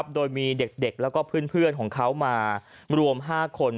โดยมีเด็กแล้วก็เพื่อนของเขามารวม๕คน